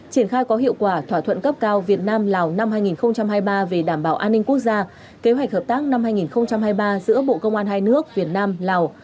triển khai có hiệu quả thỏa thuận cấp cao việt nam lào năm hai nghìn hai mươi ba về đảm bảo an ninh quốc gia kế hoạch hợp tác năm hai nghìn hai mươi ba giữa bộ công an hai nước việt nam lào